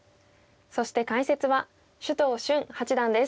そして解説は首藤瞬八段です。